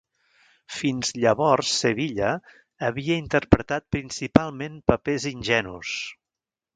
Fins llavors Sevilla havia interpretat principalment papers ingenus.